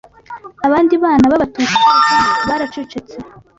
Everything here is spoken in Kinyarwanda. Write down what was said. Abandi bana b’abatutsi twari kumwe baracecetse